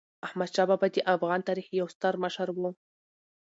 احمدشاه بابا د افغان تاریخ یو ستر مشر و.